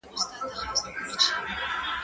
زه به شګه پاکه کړې وي!؟